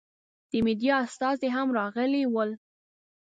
د مېډیا استازي هم راغلي ول.